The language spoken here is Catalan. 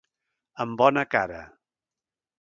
Amb bona cara.